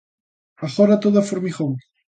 Agora, todo é formigón.